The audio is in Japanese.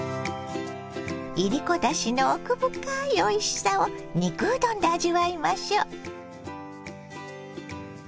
いりこだしの奥深いおいしさを肉うどんで味わいましょう。